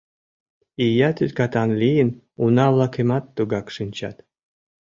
Ия тӱткатан лийын уна-влакемат тугак шинчат.